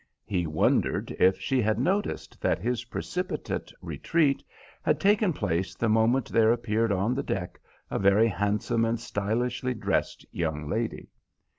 He wondered if she had noticed that his precipitate retreat had taken place the moment there appeared on the deck a very handsome and stylishly dressed young lady.